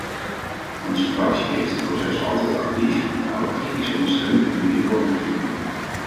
Onze fractie heeft het proces altijd actief, maar ook kritisch ondersteund en mede vormgegeven.